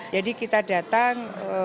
jadi kita datang